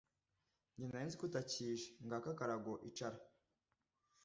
jye narinzi ko utakije. ng'aka akarago icara.